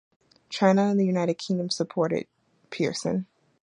China and the United Kingdom supported Pearson.